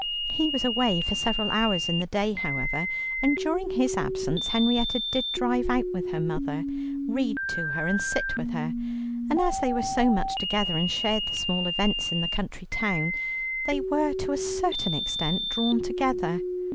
He was away for several hours in the day however, and during his absence Henrietta did drive out with her mother, read to her, and sit with her, and as they were so much together and shared the small events of the country town, they were to a certain extent drawn together.